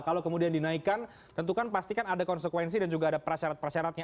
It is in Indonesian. kalau kemudian dinaikkan tentukan pasti kan ada konsekuensi dan juga ada perasyarat perasyaratnya